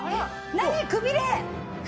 何くびれ！